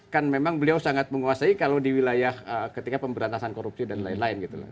kan memang beliau sangat menguasai kalau di wilayah ketika pemberantasan korupsi dan lain lain gitu loh